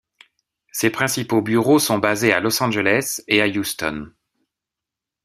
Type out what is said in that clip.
Ses principaux bureaux sont basés à Los Angeles et Houston.